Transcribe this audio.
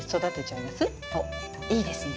おっいいですね！